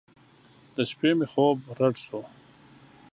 د شپې مې خوب رډ سو.